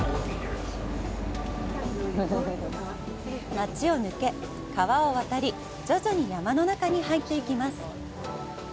街を抜け、川を渡り、徐々に山の中に入っていきます。